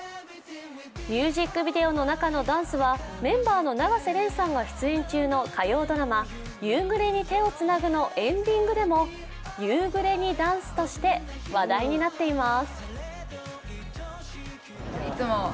ミュージックビデオの中のダンスはメンバーの永瀬廉さんが出演中の火曜ドラマ「夕暮れに、手をつなぐ」のエンディングでも夕暮れにダンスとして話題になっています。